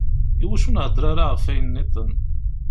Iwacu ur nhedder ara ɣef ayen nniḍen?